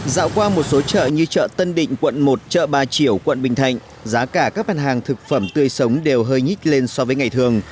dạo qua một số chợ như chợ tân định quận một chợ ba chiểu quận bình thạnh giá cả các mặt hàng thực phẩm tươi sống đều hơi nhích lên so với ngày thường